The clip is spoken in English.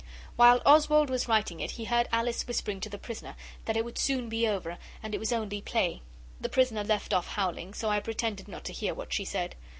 While Oswald was writing it he heard Alice whispering to the prisoner that it would soon be over, and it was only play. The prisoner left off howling, so I pretended not to hear what she said.